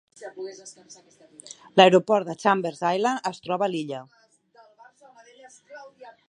L'aeroport de Chambers Island es troba a l'illa.